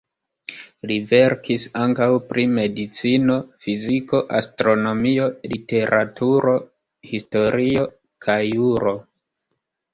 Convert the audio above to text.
Li verkis ankaŭ pri medicino, fiziko, astronomio, literaturo, historio kaj juro.